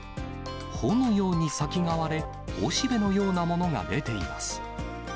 穂のように先が割れ、雄しべのようなものが出ています。